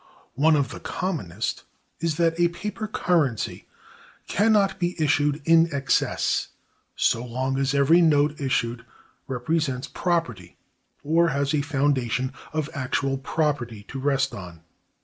One of the commonest is, that a paper currency can not be issued in excess so long as every note issued represents property, or has a foundation of actual property to rest on.